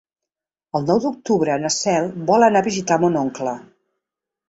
El nou d'octubre na Cel vol anar a visitar mon oncle.